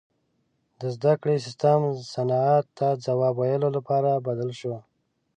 • د زدهکړې سیستم صنعت ته ځواب ویلو لپاره بدل شو.